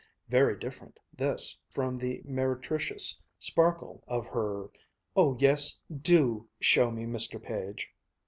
Very different, this, from the meretricious sparkle of her, "Oh yes, do show me, Mr. Page."